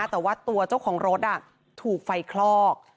แต่ว่าตัวเจ้าของรถถูกไฟคลอก